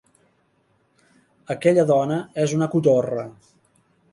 Aquella dona és una cotorra.